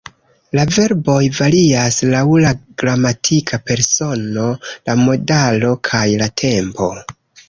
La verboj varias laŭ la gramatika persono, la modalo kaj la tempo.